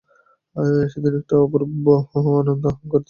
সেদিন একটা অপূর্ব আনন্দ এবং অহংকারের দীপ্তি নিয়ে বাড়ি ফিরে এলুম।